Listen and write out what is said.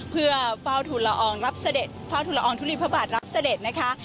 เพื่อเฝ้าทุนละอองรับเสด็จเฝ้าทุลอองทุลีพระบาทรับเสด็จนะคะ